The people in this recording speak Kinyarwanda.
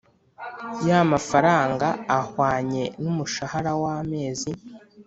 Y amafaranga ahwanye n umushahara w amezi